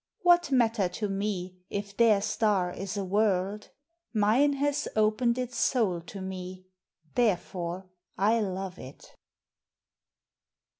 What matter to me if their star is a world? Mine has opened its soul to me; therefore I love it.